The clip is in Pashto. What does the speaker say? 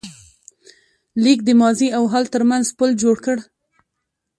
لیک د ماضي او حال تر منځ پُل جوړ کړ.